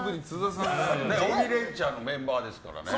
「鬼レンチャン」のメンバーですからね。